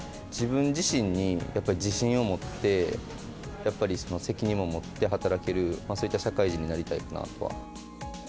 自分自身にやっぱり自信を持って、やっぱり責任も持って働ける、そういった社会人になりたいなとは。